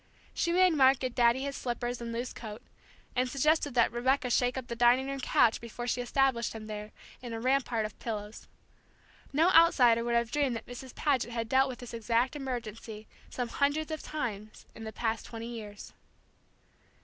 She made Mark get Daddy his slippers and loose coat, and suggested that Rebecca shake up the dining room couch before she established him there, in a rampart of pillows. No outsider would have dreamed that Mrs. Paget had dealt with this exact emergency some hundreds of times in the past twenty years.